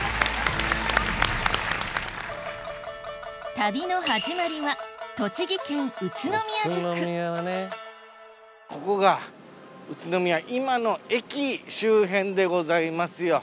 旅の始まりはここが宇都宮今の駅周辺でございますよ。